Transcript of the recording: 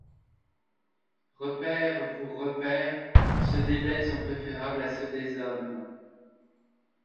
Repaires pour repaires, ceux des bêtes sont préférables à ceux des hommes.